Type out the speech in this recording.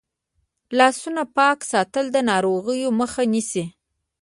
لاسونه پاک ساتل د ناروغیو مخه نیسي.